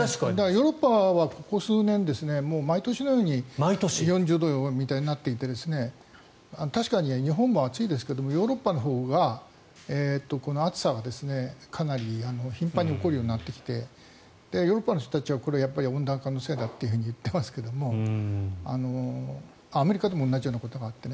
ヨーロッパはここ数年もう毎年のように４０度みたいになっていて確かに日本も暑いですけどヨーロッパのほうが暑さはかなり頻繁に起こるようになってきてヨーロッパの人たちは温暖化のせいだと言っていますがアメリカでも同じようなことがあって。